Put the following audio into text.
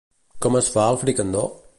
Com es fa el fricandó?